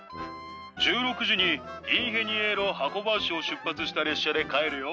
１６時にインヘニエーロ・ハコバーシを出発した列車で帰るよ。